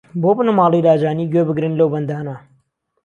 بۆ بنەماڵەی لاجانی گوێ بگرن لەو بەندانە